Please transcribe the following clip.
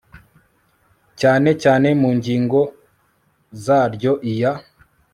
cyane cyane mu ngingo zaryo iya